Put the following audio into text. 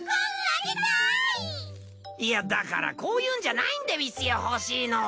いやだからこういうんじゃないんでうぃすよ欲しいのは。